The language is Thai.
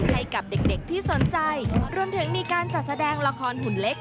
ให้กับเด็กที่สนใจรวมถึงมีการจัดแสดงละครหุ่นเล็ก